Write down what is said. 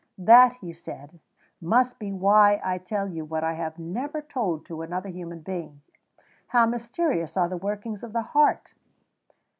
"That," he said, "must be why I tell you what I have never told to another human being. How mysterious are the workings of the heart!"